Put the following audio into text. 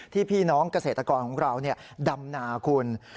ที่พี่น้องเกษตรกรของเราเนี่ยดำนาคุณ